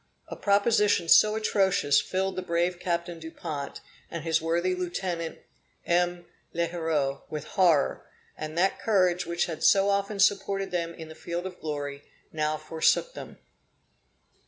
A proposition so atrocious filled the brave Captain Dupont and his worthy Lieutenant M. L'Heureux with horror; and that courage which had so often supported them in the field of glory, now forsook them.